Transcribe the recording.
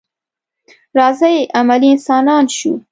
راځئ عملي انسانان شو.